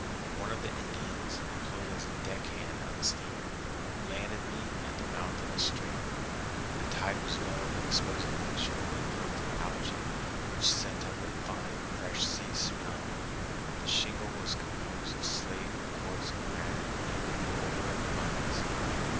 One of the Indians, employed as a deck hand on the steamer, landed me at the mouth of a stream. The tide was low, exposing a luxuriant growth of algæ, which sent up a fine, fresh sea smell. The shingle was composed of slate, quartz, and granite, named in the order of abundance.